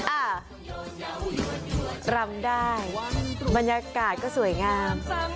อ่ารำได้บรรยากาศก็สวยงาม